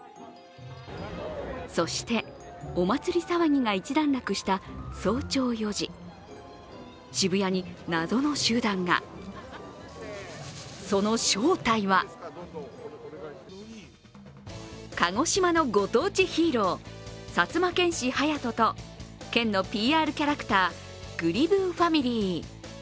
そして、お祭り騒ぎが一段落した早朝４時、渋谷に謎の集団がその正体は鹿児島のご当地ヒーロー、薩摩剣士隼人と県のＰＲキャラクターぐりぶーファミリー。